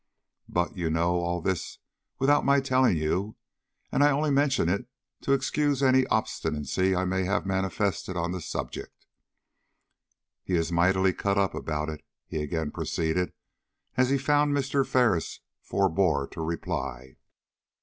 But you know all this without my telling you, and I only mention it to excuse any obstinacy I may have manifested on the subject. He is mightily cut up about it," he again proceeded, as he found Mr. Ferris forebore to reply.